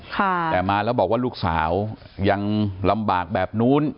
แต่มาแล้วบอกว่าลูกสาวยังลำบากแบบนู้น